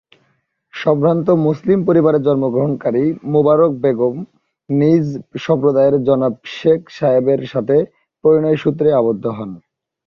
সম্ভ্রান্ত মুসলিম পরিবারে জন্মগ্রহণকারী মুবারক বেগম নিজ সম্প্রদায়ের জনাব শেখ সাহেবের সাথে পরিণয়সূত্রে আবদ্ধ হন।